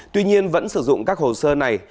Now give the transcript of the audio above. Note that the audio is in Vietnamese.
tuy nhiên vẫn sử dụng các hồ sơ này